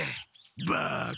バカ！